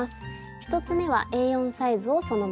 １つ目はＡ４サイズをそのまま使用。